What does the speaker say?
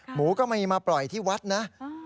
หมูก็มีมาปล่อยที่วัดนะ